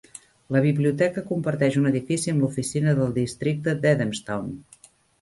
La biblioteca comparteix un edifici amb l'oficina del districte d'Adamstown.